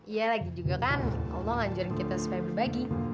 iya lagi juga kan allah ngajarin kita supaya berbagi